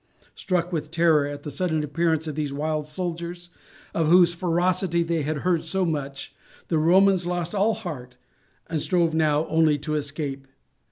Struck with terror at the sudden appearance of these wild soldiers, of whose ferocity they had heard so much, the Romans lost all heart and strove now only to escape.